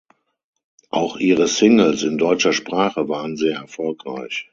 Auch ihre Singles in deutscher Sprache waren sehr erfolgreich.